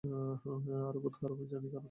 আর বোধহয় আমি জানি কারণটা।